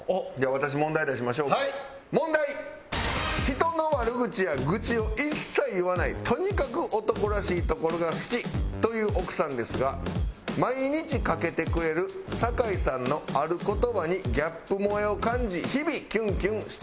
人の悪口や愚痴を一切言わないとにかく男らしいところが好きという奥さんですが毎日かけてくれる酒井さんのある言葉にギャップ萌えを感じ日々キュンキュンしているそうです。